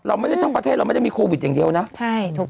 ไม่ได้ทั้งประเทศเราไม่ได้มีโควิดอย่างเดียวนะ